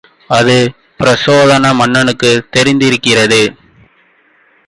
இது பிரச்சோதன மன்னனுக்குத் தெரிந்திருந்தது.